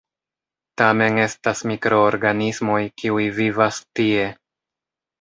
Tamen estas mikroorganismoj, kiu vivas tie.